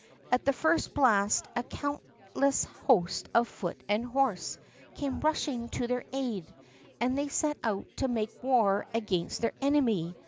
At the first blast a countless host of foot and horse came rushing to their aid, and they set out to make war against their enemy.